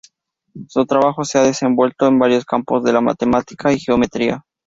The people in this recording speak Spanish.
Su trabajo se ha desenvuelto en varios campos de la matemática y geometría.